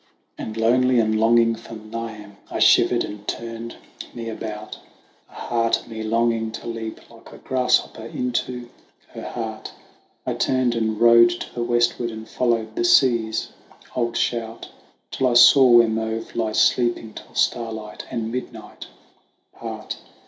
And lonely and longing for Niamh, I shivered and turned me about, The heart in me longing to leap like a grass hopper into her heart ; 144 THE WANDERINGS OF OISIN I turned and rode to the westward, and fol lowed the sea's old shout Till I saw where Maeve lies sleeping till star light and midnight part.